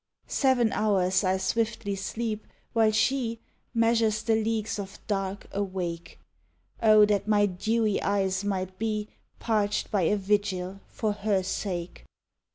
Seven hours I swiftly sleep, while she Measures the leagues of dark, awake. O that my dewy eyes might be Parched by a vigil for her sake!